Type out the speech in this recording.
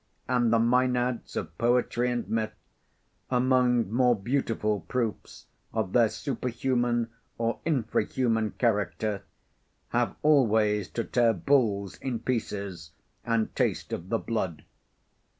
And the Maenads of poetry and myth, among more beautiful proofs of their superhuman or infra human character, have always to tear bulls in pieces and taste of the blood.